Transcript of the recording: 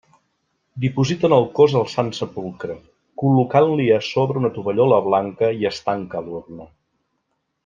Dipositen el cos al Sant Sepulcre, col·locant-li a sobre una tovallola blanca i es tanca l'urna.